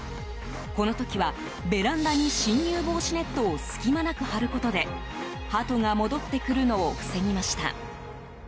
この時はベランダに侵入防止ネットを隙間なく張ることでハトが戻ってくるのを防ぎました。